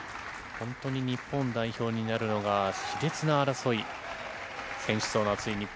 本当に日本代表になるのがしれつな争い、選手層の厚い日本。